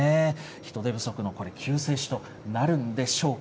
人手不足の救世主となるんでしょうか？